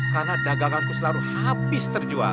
karena daganganku selalu habis terjual